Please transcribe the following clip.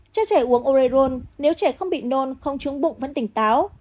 cho trẻ uống oreon nếu trẻ không bị nôn không trúng bụng vẫn tỉnh táo